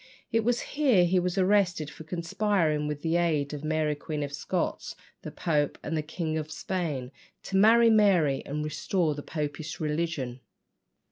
It was here he was arrested for conspiring, with the aid of Mary Queen of Scots, the Pope, and the King of Spain, to marry Mary and restore the Popish religion.